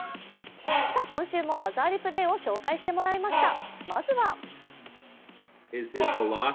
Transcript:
今週も技ありプレーを紹介してもらいました。